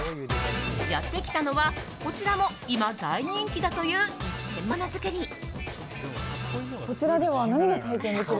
やってきたのは、こちらも今大人気だという一点モノづくり。